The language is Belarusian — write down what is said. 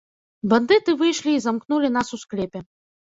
Бандыты выйшлі і замкнулі нас у склепе.